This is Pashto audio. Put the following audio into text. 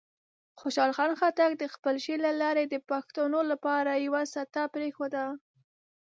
خوشحال خان خټک د خپل شعر له لارې د پښتنو لپاره یوه سټه پرېښوده.